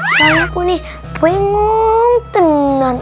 soalnya aku nih bengong tenang